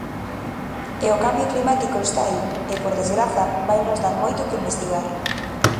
E o cambio climático está aí e, por desgraza, vainos dar moito que investigar.